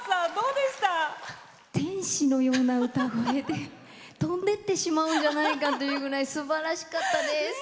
天使のような歌声で飛んでってしまうんじゃないかと思うぐらいすばらしかったです。